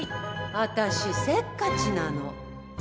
私せっかちなの。